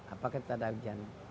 apakah tidak ada hujan